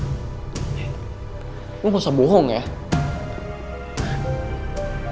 gue gak akan pernah ngasih rara bunga sama lo